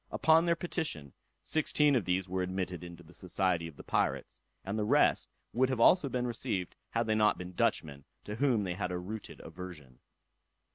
Upon their petition, sixteen of these were admitted into the society of the pirates; and the rest would also have been received, had they not been Dutchmen, to whom they had a rooted aversion.